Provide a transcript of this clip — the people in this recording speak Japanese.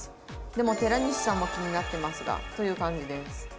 「でも寺西さんも気になってますが」。という感じです。